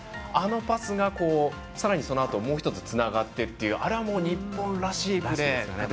あのパスが、さらにそのあともう一つつながってというあれは日本らしいですね。